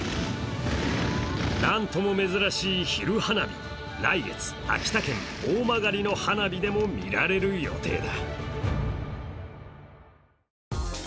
なんとも珍しい昼花火、来月秋田県大曲の花火でも見られる予定だ。